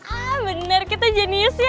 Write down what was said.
ah benar kita jenius ya